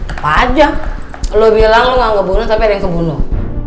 apa aja lu bilang lo gak ngebunuh tapi ada yang kebunuh